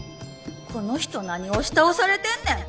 この人何押し倒されてんねん！